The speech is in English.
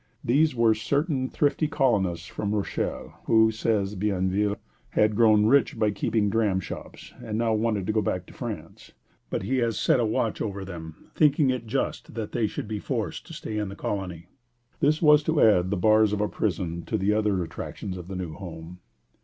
These were certain thrifty colonists from Rochelle, who, says Bienville, have grown rich by keeping dram shops, and now want to go back to France; but he has set a watch over them, thinking it just that they should be forced to stay in the colony. This was to add the bars of a prison to the other attractions of the new home.